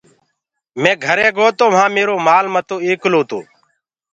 مينٚ گھري گو تو وهآنٚ ميرو مآل متو ايڪلو تو۔